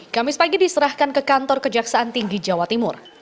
kamis pagi diserahkan ke kantor kejaksaan tinggi jawa timur